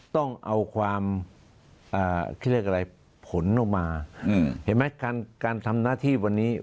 ต้องเอาความเขาเรียกอะไรผลออกมาเห็นไหมการทำหน้าที่วันนี้